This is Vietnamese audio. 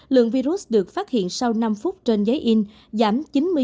lượng virus được phát hiện sau năm phút trên giấy in giảm chín mươi chín sáu mươi tám